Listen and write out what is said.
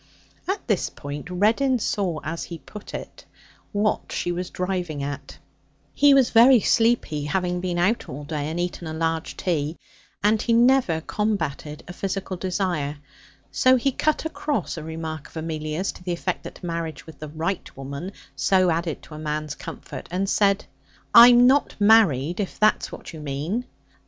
At this point Reddin saw, as he put it, what she was driving at. He was very sleepy, having been out all day and eaten a large tea, and he never combated a physical desire. So he cut across a remark of Amelia's to the effect that marriage with the right woman so added to a man's comfort, and said: 'I'm not married if that's what you mean.'